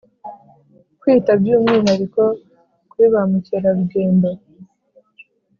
Kwita by umwihariko kuri ba mukerarugendo